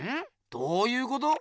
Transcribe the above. どうゆうこと？